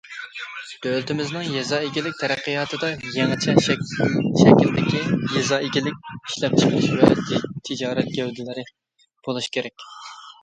دۆلىتىمىزنىڭ يېزا ئىگىلىك تەرەققىياتىدا، يېڭىچە شەكىلدىكى يېزا ئىگىلىك ئىشلەپچىقىرىش ۋە تىجارەت گەۋدىلىرى بولۇشى كېرەك.